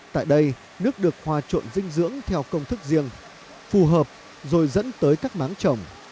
tại đây nước được hòa trộn dinh dưỡng theo công thức riêng phù hợp rồi dẫn tới các máng trồng